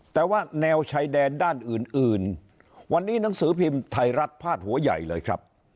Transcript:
แต่ว่าแนวชายแดนด้านอื่นวันนี้หนังสือพิมพ์ไทยรัฐพาดหัวใหญ่เลยครับ